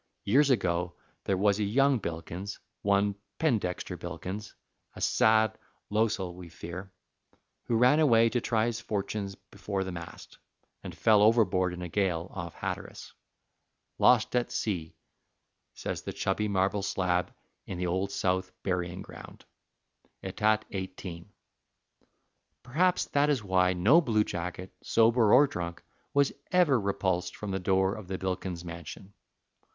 Years ago there was a young Bilkins, one Pendexter Bilkins a sad losel, we fear who ran away to try his fortunes before the mast, and fell overboard in a gale off Hatteras. "Lost at sea," says the chubby marble slab in the Old South Burying Ground, "ætat. 18." Perhaps that is why no blue jacket, sober or drunk, was ever repulsed from the door of the Bilkins mansion.